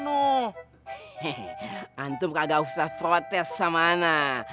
nantum kagak usah protes sama anak